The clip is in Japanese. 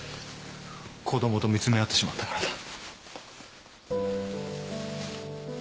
子供と見つめ合ってしまったからだ。